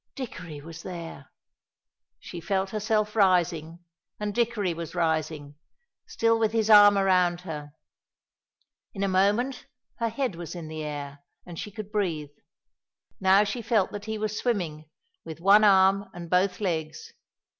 Dickory was there! She felt herself rising, and Dickory was rising, still with his arm around her. In a moment her head was in the air, and she could breathe. Now she felt that he was swimming, with one arm and both legs.